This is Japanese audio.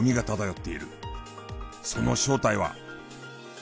その正体は。